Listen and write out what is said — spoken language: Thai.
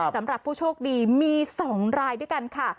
สำหรับผู้โชคดีมี๒รายด้วยกันค่ะ